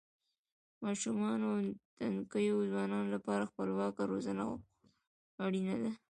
ماشومانو او تنکیو ځوانانو لپاره خپلواکه روزنه خورا اړینه ده.